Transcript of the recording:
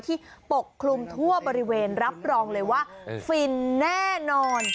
ปกคลุมทั่วบริเวณรับรองเลยว่าฟินแน่นอน